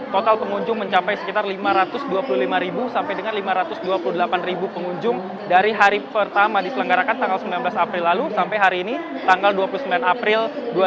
total pengunjung mencapai sekitar lima ratus dua puluh lima sampai dengan lima ratus dua puluh delapan pengunjung dari hari pertama diselenggarakan tanggal sembilan belas april lalu sampai hari ini tanggal dua puluh sembilan april dua ribu dua puluh